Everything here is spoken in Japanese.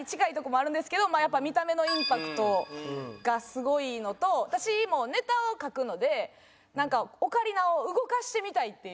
やっぱ見た目のインパクトがすごいのと私もネタを書くのでなんかオカリナを動かしてみたいっていう。